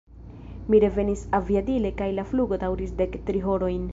Mi revenis aviadile kaj la flugo daŭris dek tri horojn.